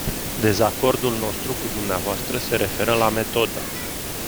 Dezacordul nostru cu dvs. se referă la metodă.